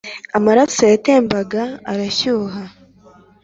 amaraso yatembaga arashyuha